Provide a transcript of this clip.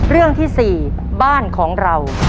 เรื่องที่๔บ้านของเรา